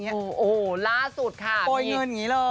โอ้โหล่าสุดค่ะโปรยเงินอย่างนี้เลย